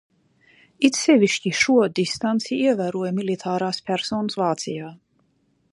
It sevišķi šo distanci ievēroja militārās personas Vācijā.